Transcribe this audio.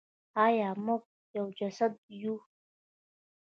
آیا موږ یو جسد یو؟